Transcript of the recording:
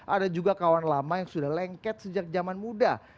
ada juga kawan lama yang sudah lengket sejak zaman muda